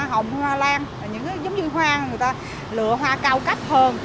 những loại hoa hồng hoa lan giống như hoa người ta lựa hoa cao cấp hơn